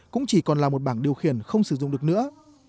cũng chỉ còn là một bảng điều khiển không sử dụng được nữa